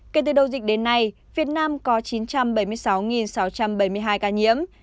kể từ đầu dịch đến nay việt nam có chín trăm bảy mươi sáu sáu trăm bảy mươi hai ca nhiễm